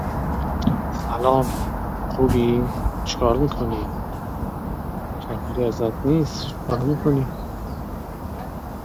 Even Thomas Nashe had a good word for "sweete Master Fraunce".